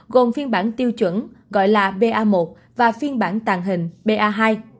gồm phiên bản tiêu chuẩn và phiên bản tàng hình